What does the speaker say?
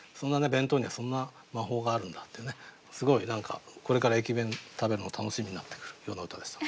弁当にはそんな魔法があるんだってねすごい何かこれから駅弁食べるの楽しみになってくるような歌でした。